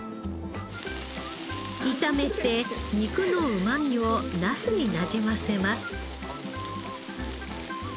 炒めて肉のうまみをナスになじませます。